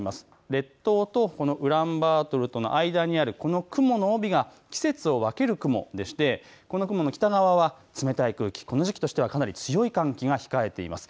列島とこのウランバートルとの間にあるこの雲の帯が季節を分ける雲でして、この雲の北側は冷たい空気、この時期としてはかなり強い寒気が控えています。